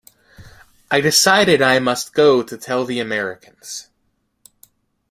I decided I must go to tell the Americans.